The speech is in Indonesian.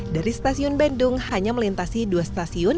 dari stasiun bandung hanya melintasi dua stasiun